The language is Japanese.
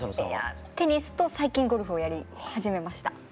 いやテニスと最近ゴルフをやり始めました。